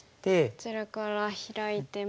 こちらからヒラいても。